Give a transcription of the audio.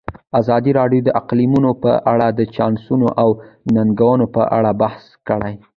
ازادي راډیو د اقلیتونه په اړه د چانسونو او ننګونو په اړه بحث کړی.